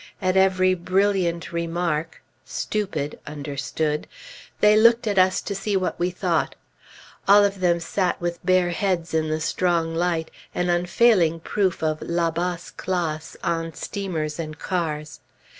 At every "brilliant" remark ("stupid" understood), they looked at us to see what we thought. All of them sat with bare heads in the strong light, an unfailing proof of la basse classe on steamers and cars.